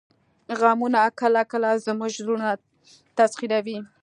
غمونه کله کله زموږ زړونه تسخیروي